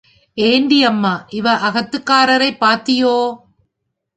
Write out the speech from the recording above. ஏண்டி அம்மா, இவ அகத்துக்காரரைப் பார்த்தியோ?.